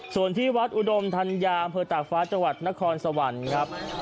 ส่วนที่วัดอุดมธัญญาอำเภอตากฟ้าจังหวัดนครสวรรค์ครับ